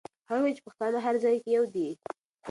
هغې وویل چې پښتانه هر ځای کې یو دي.